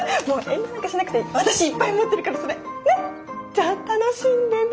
じゃあ楽しんでね。